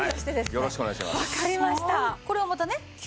よろしくお願いします。